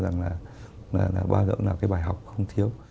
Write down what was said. tôi cho rằng là bao giờ cũng là cái bài học không thiếu